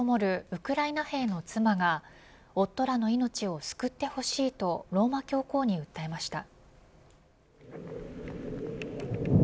ウクライナ兵の妻が夫らの命を救ってほしいとローマ教皇に訴えました。